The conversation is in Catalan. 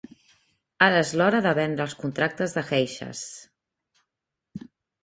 Ara és l'hora de vendre els contractes de geishes.